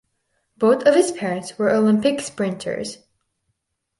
Both of his parents were Olympic sprinters.